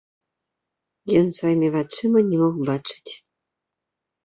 Ён сваімі вачыма не мог бачыць.